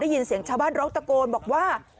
ยินเสียงชาวบ้านร้องตะโกนบอกว่า